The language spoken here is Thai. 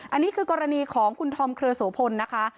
อันนี้คือกรณีของคุณธอมเครือโสพลนะคะ